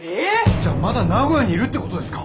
じゃあまだ名古屋にいるってことですか？